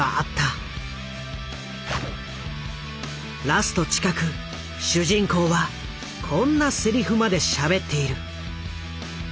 ラスト近く主人公はこんなセリフまでしゃべっている。